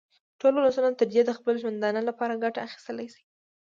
ټول ولسونه ترې د خپل ژوندانه لپاره ګټه اخیستلای شي.